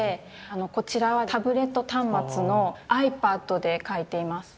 こちらはタブレット端末のアイパッドで描いています。